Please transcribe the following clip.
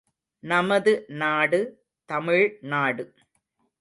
நமது நாடு தமிழ்நாடு.